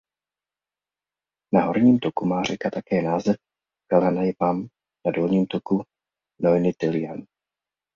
Na horním toku má řeka také název Kalenmyvaam a na dolním toku Nojnytyljan.